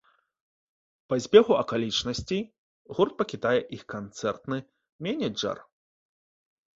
Па збегу акалічнасцей гурт пакідае іх канцэртны менеджар.